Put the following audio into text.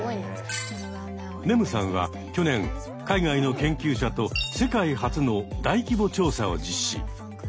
ねむさんは去年海外の研究者と世界初の大規模調査を実施。